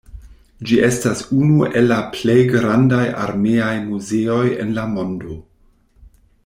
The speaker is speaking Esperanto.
Ĝi estas unu el la plej grandaj armeaj muzeoj en la mondo.